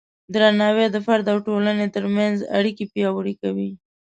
درناوی د فرد او ټولنې ترمنځ اړیکې پیاوړې کوي.